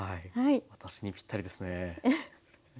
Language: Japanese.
私にぴったりですね。